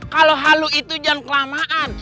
kalau halu itu jangan kelamaan